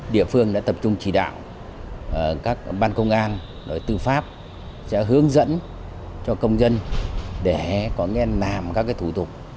địa phương đã tập trung chỉ đạo các ban công an tư pháp sẽ hướng dẫn cho công dân để có nghe làm các thủ tục